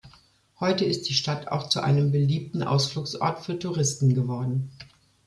Heute ist die Stadt auch zu einem beliebten Ausflugsort für Touristen geworden.